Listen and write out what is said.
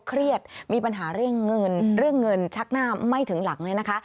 เครียดมีปัญหาเรื่องเงินเรื่องเงินชักหน้าไม่ถึงหลังเลยนะคะ